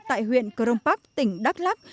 tại huyện crong park tỉnh đắk lắc